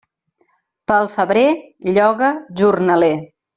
Pel febrer, lloga jornaler.